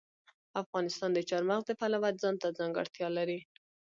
افغانستان د چار مغز د پلوه ځانته ځانګړتیا لري.